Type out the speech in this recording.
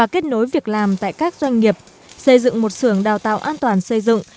kết nối việc làm tại các doanh nghiệp xây dựng một sưởng đào tạo an toàn xây dựng